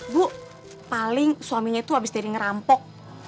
bu paling suaminya itu habis dari ngerampok